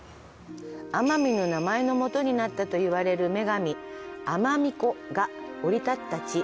奄美の名前の元になったといわれる女神・阿麻弥姑が降り立った地。